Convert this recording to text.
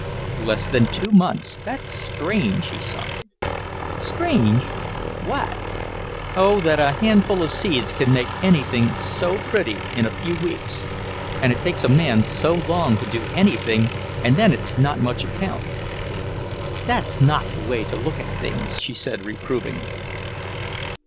"Less than two months. That's strange," he sighed. "Strange? What?" "Oh, that a handful of seeds can make anything so pretty in a few weeks, and it takes a man so long to do anything and then it's not much account." "That's not the way to look at things," she said reprovingly.